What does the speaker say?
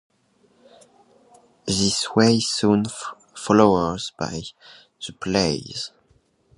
This was soon followed by other plays.